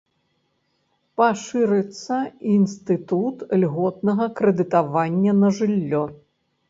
Пашырыцца інстытут льготнага крэдытавання на жыллё.